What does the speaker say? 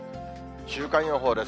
週間予報です。